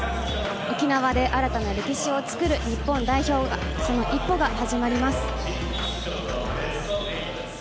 沖縄で新たな歴史を作る日本代表のその一歩が始まります。